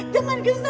jangan ke sana den